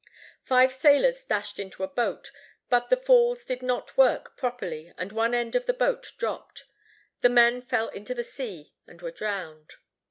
Five sailors dashed into a boat; but the falls did not work properly, and one end of the boat dropped. The men fell into the sea and were drowned.